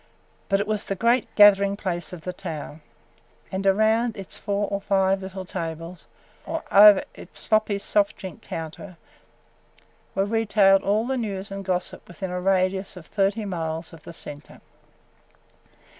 But it was the great gathering place of the town, and around its four or five little tables or over its sloppy soft drink counter were retailed all the news and gossip within a radius of thirty miles of the center.